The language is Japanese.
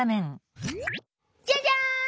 「じゃじゃん！